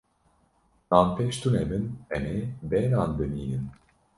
Nanpêj tune bin, em ê bê nan bimînin.